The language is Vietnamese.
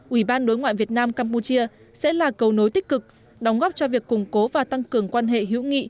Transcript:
ủy ban đối ngoại việt nam campuchia sẽ là cầu nối tích cực đóng góp cho việc củng cố và tăng cường quan hệ hữu nghị